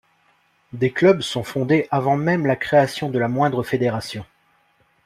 Des clubs sont fondés avant même la création de la moindre fédération.